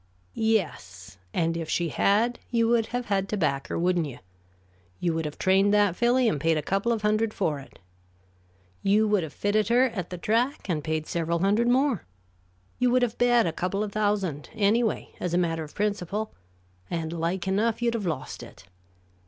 "Yes; and if she had, you would have had to back her, wouldn't you? You would have trained that filly and paid a couple of hundred for it. You would have fitted her at the track and paid several hundred more. You would have bet a couple of thousand, anyway, as a matter of principle, and, like enough, you'd have lost it.